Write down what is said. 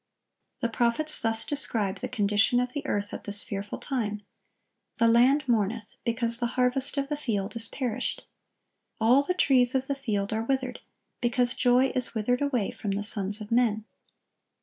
(1076) The prophets thus describe the condition of the earth at this fearful time: "The land mourneth; ... because the harvest of the field is perished." "All the trees of the field are withered: because joy is withered away from the sons of men."